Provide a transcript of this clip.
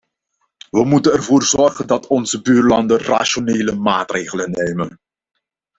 We moeten ervoor zorgen dat onze buurlanden rationele maatregelen nemen.